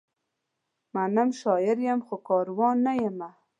منم، شاعر یم؛ خو کاروان نه یمه